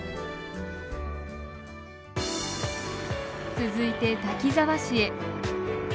続いて滝沢市へ。